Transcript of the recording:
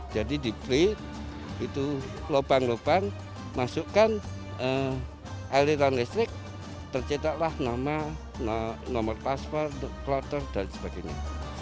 jadi di print itu lubang lubang masukkan aliran listrik tercerita lah nama nomor paspor kloter dan sebagainya